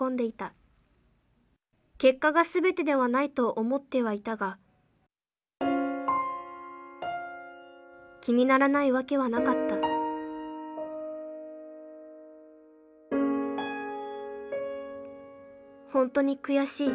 結果が全てではないと思ってはいたが気にならないわけはなかったほんとに悔しい。